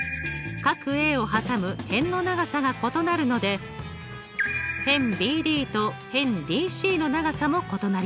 Ａをはさむ辺の長さが異なるので辺ＢＤと辺ＤＣの長さも異なります。